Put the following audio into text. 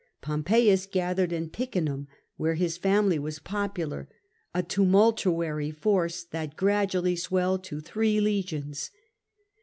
Pompeius gathered in Picenum, where his family was popular, a tumultuary force that gradually swelled to three legions.